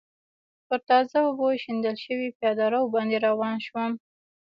پر تازه اوبو شیندل شوي پېاده رو باندې روان شوم.